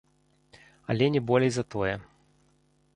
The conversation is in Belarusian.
Але не болей за тое.